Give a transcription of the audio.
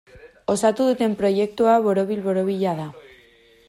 Osatu duten proiektua borobil-borobila da.